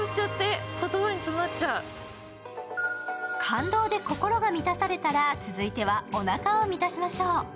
感動で心が満たされたら続いたらおなかを満たしましょう。